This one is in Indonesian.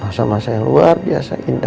masa masa yang luar biasa indah